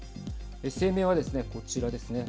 声明はですね、こちらですね。